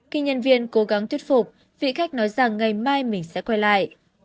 khi nhân viên cố gắng thuyết phục vị khách nói rằng ngày mai mình sẽ có tiền